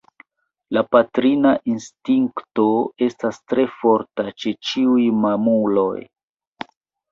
La patrina instinkto estas tre forta ĉe ĉiuj mamuloj.